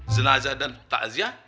zenazah dan ta'aziah